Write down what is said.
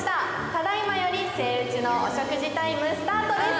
ただ今よりセイウチのお食事タイムスタートです。